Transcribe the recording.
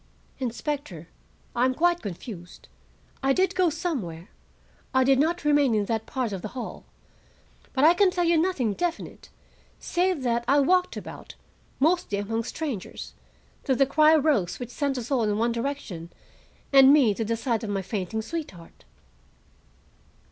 "Inspector, I am quite confused. I did go somewhere; I did not remain in that part of the hall. But I can tell you nothing definite, save that I walked about, mostly among strangers, till the cry rose which sent us all in one direction and me to the side of my fainting sweetheart."